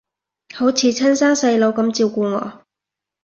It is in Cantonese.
好似親生細佬噉照顧我